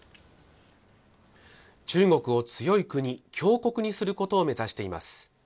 中国を強い国、強国にすることを目指しています。